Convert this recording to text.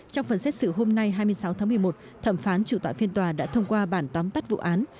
trong phần xét xử hôm nay hai mươi sáu tháng một mươi một thẩm phán chủ tọa phiên tòa đã thông qua bản tóm tắt vụ án